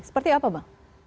seperti apa bang